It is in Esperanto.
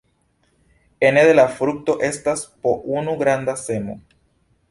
Ene de la frukto estas po unu granda semo.